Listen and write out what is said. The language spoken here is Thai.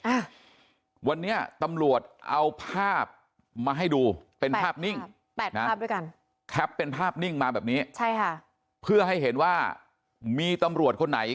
อะวันนี้ตำรวจเอาภาพมาให้ดูเป็นภาพนิ่งอ่ะเนธภาพด้วยกัน